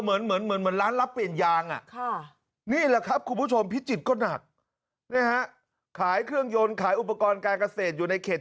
เออเหมือนร้านรับเปลี่ยนยางอ่ะ